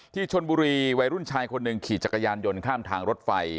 ที่ชนบุรีวัยรุ่นชายคนหนึ่งขี่จักรยานยนต์ข้ามทางรถไฟ